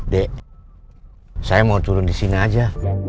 dek saya mau turun di sini aja